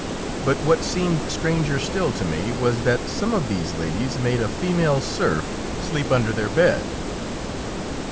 But what seemed stranger still to me was that some of these ladies made a female serf sleep under their bed.